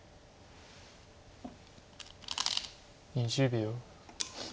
２０秒。